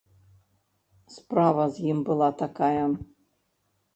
Справа з ім была такая.